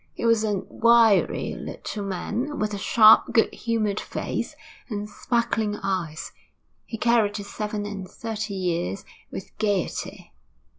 He was a wiry little man, with a sharp, good humoured face and sparkling eyes. He carried his seven and thirty years with gaiety.